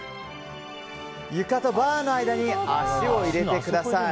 床とバーの間に足を入れてください。